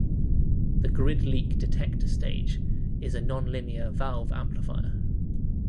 The grid leak detector stage is a non-linear valve amplifier.